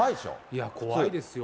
いや、怖いですよ。